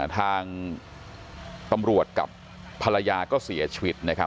ทางตำรวจกับภรรยาก็เสียชีวิต